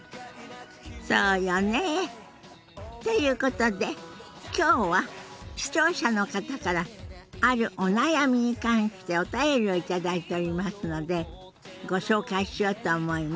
そうよね。ということで今日は視聴者の方からあるお悩みに関してお便りを頂いておりますのでご紹介しようと思います。